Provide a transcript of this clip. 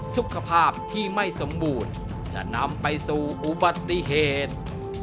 สุขภาพที่ไม่สมบูรณ์จะนำไปสู่อุบัติเหตุ